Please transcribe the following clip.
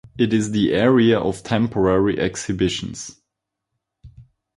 It is the area of temporary exhibitions.